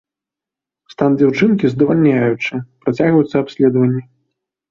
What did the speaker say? Стан дзяўчынкі здавальняючы, працягваюцца абследаванні.